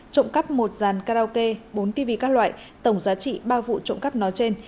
trộm cắp một dàn karaoke bốn tv các loại tổng giá trị ba vụ trộm cắp nói trên